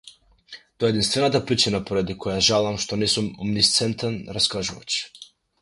Тоа е единствената причина поради која жалам што не сум омнисцентен раскажувач.